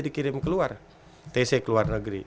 dikirim keluar tc keluar negeri